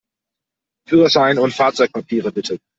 Führerschein und Fahrzeugpapiere, bitte!